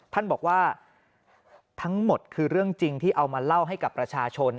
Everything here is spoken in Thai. ท่านบอกว่าทั้งหมดคือเรื่องจริงที่เอามาเล่าให้กับประชาชน